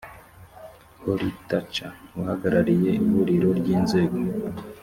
holly thacker uhagarariye ihuriro ry inzego